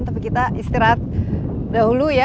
tapi kita istirahat dahulu ya